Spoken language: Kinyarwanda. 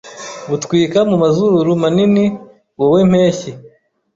butwika mu mazuru manini wowe mpeshyi